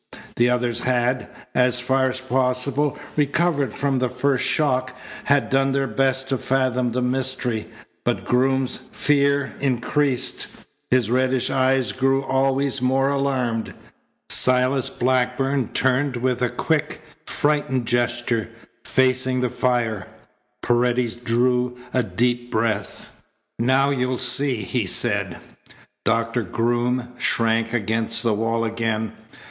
The others had, as far as possible, recovered from the first shock, had done their best to fathom the mystery, but Groom's fear increased. His reddish eyes grew always more alarmed. Silas Blackburn turned with a quick, frightened gesture, facing the fire. Paredes drew a deep breath. "Now you'll see," he said. Doctor Groom shrank against the wall again.